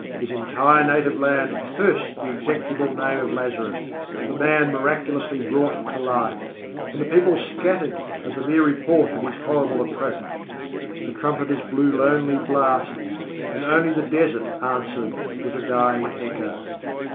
His entire native land cursed the execrable name of Lazarus, the man miraculously brought to life, and the people scattered at the mere report of his horrible approach. The trumpeters blew lonely blasts, and only the desert answered with a dying echo.